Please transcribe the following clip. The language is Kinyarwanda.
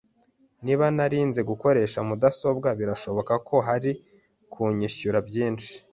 Niba nari nzi gukoresha mudasobwa, birashoboka ko bari kunyishyura byinshi.